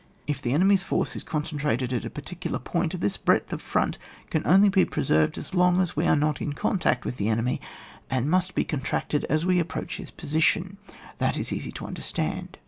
If the enemy's force is concentrated at a particular point, this breadth of &ont can only be preserved so long as we are not in contact with the enemy, and must be contracted as we approach his position : that is easy to understand.